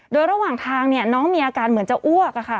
โดยระหว่างทางเนี่ยน้องมีอาการเหมือนจะอ้วกอะค่ะ